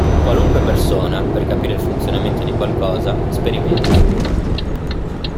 Qualunque persona, per capire il funzionamento di qualcosa, sperimenta.